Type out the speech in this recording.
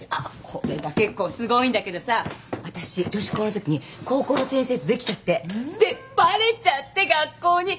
これが結構すごいんだけどさ私女子校のときに高校の先生とできちゃってでバレちゃって学校に。